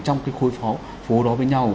trong cái khối phố đó với nhau